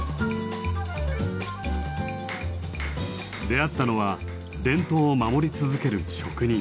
出会ったのは伝統を守り続ける職人。